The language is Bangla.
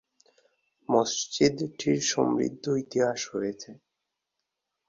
মসজিদটির সমৃদ্ধ ইতিহাস রয়েছে।